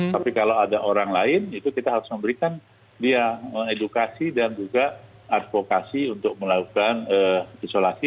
tapi kalau ada orang lain itu kita harus memberikan dia edukasi dan juga advokasi untuk melakukan isolasi